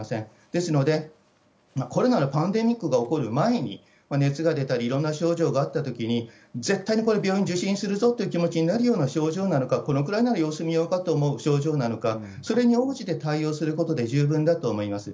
ですので、コロナのパンデミックが起こる前に熱が出たり、いろんな症状があったときに、絶対にこれ、病院受診するぞという気持ちになる症状なのか、これくらいなら様子見ようかという症状なのか、それに応じて対応することで、十分だと思います。